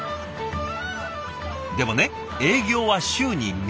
でもね営業は週に３日だけ。